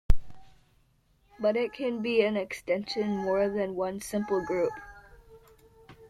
But it can be the extension of more than one simple group.